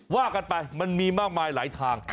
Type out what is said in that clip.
ว่ากันไปมันมีมากมายหลายทาง